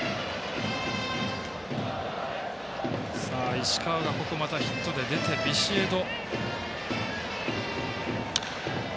石川がまたヒットで出てビシエド。